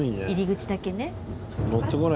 入り口だけね。